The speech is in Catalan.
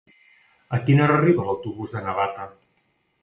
A quina hora arriba l'autobús de Navata?